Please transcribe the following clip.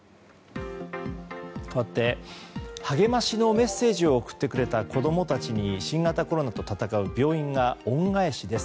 かわって励ましのメッセージを送ってくれた子供たちに新型コロナと闘う病院が恩返しです。